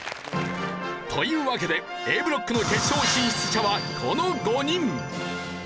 というわけでＡブロックの決勝進出者はこの５人！